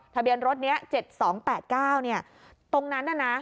ทะเบียนรถนี้๗๒๘๙ตรงนั้นน่ะนะ